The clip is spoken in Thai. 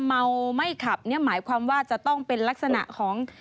เมาไม่ขับเนี่ยหมายความว่าจะต้องเป็นลักษณะของ